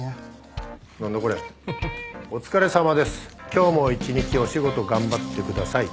「今日も一日お仕事頑張って下さい」